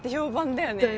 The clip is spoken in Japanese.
だよね。